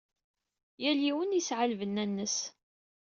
Yal yiwen yesɛa lbenna-nnes.